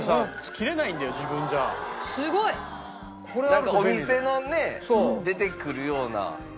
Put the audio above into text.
なんかお店のね出てくるような。